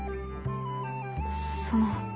その。